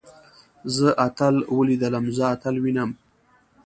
زه اتل وليدلم. زه اتل وينم.